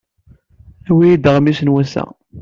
Awi-iyi-d aɣmis n wass-a.